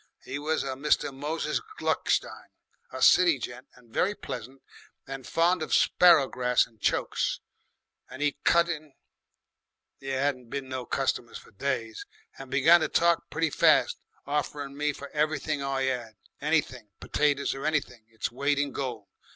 He was a Mr. Moses Gluckstein, a city gent and very pleasant and fond of sparrowgrass and chokes, and 'e cut in there 'adn't been no customers for days and began to talk very fast, offerin' me for anything I 'ad, anything, petaties or anything, its weight in gold.